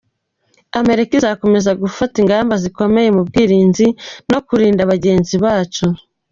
Amerika izakomeza gufata ingamba zikomeye mu bwirinzi no kurinda bagenzi bacu.